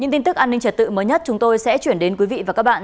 những tin tức an ninh trật tự mới nhất chúng tôi sẽ chuyển đến quý vị và các bạn